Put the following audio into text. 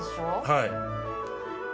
はい。